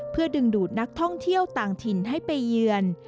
เพื่อดึงดูดนักท่องเที่ยวต่างถิ่นให้ไปเยือน